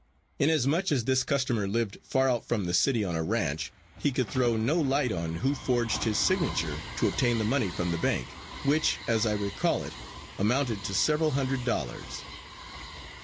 Inasmuch as this customer lived far out from the city on a ranch, he could throw no light on who forged his signature to obtain the money from the bank, which, as I recall it, amounted to several hundred dollars.